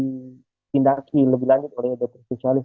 di tindaki lebih lanjut oleh dokter spesialis